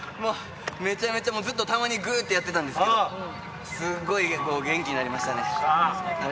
めちゃめちゃ、たまにぐっとやってたんですけど、すごい元気になりましたね。